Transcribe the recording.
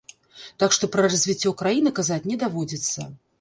Так што пра развіццё краіны казаць не даводзіцца.